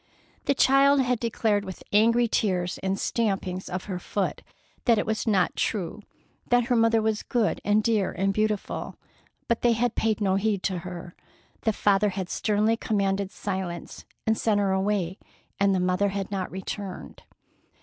The child had declared with angry tears and stampings of her small foot, that it was not true, that her mother was good and dear and beautiful; but they had paid no heed to her. The father had sternly commanded silence and sent her away; and the mother had not returned.